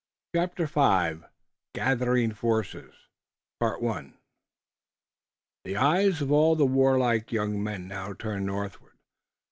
CHAPTER V GATHERING FORCES The eyes of all the warlike young men now turned northward.